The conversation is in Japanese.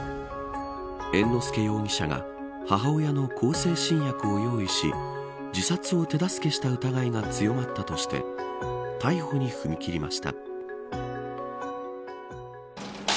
猿之助容疑者が、母親の向精神薬を用意し自殺を手助けした疑いが強まったとして逮捕に踏み切りました。